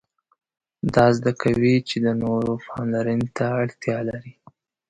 دا زده کوي چې د نورو پاملرنې ته اړتیا لري.